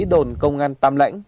đồn công an tâm lãnh